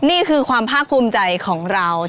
นี่คือความภาคภูมิใจของเรา